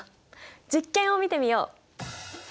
実験を見てみよう。